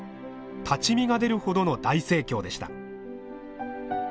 立ち見が出るほどの大盛況でした。